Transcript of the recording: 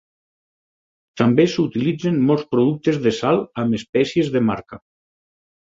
També s'utilitzen molts productes de sal amb espècies de marca.